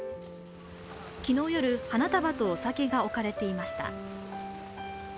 昨日夜、花束とお酒が置かれていました。